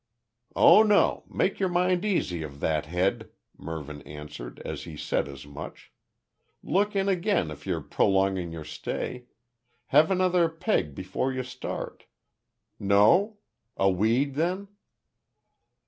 "Oh no. Make your mind easy of that head," Mervyn answered, as he said as much. "Look in again if you're prolonging your stay. Have another `peg' before you start. No? A weed then?"